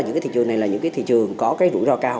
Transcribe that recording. những thị trường này là những thị trường có rủi ro cao